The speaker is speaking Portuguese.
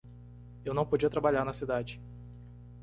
Eu não podia trabalhar na cidade.